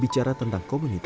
muncullah kebiasaan mulia